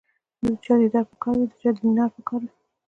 د چا دیدار په کار وي او د چا دینار په کار وي.